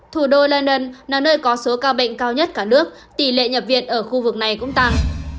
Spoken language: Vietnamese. thủ đô len là nơi có số ca bệnh cao nhất cả nước tỷ lệ nhập viện ở khu vực này cũng tăng